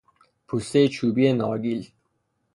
پوستهی چوبی نارگیل